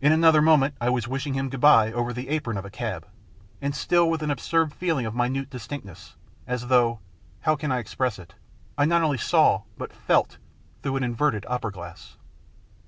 In another moment I was wishing him good bye, over the apron of a cab, and still with an absurd feeling of minute distinctness, as though how can I express it? I not only saw but felt through an inverted opera glass.